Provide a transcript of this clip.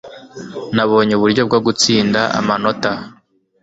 Nabonye uburyo bwo gutsinda amanota.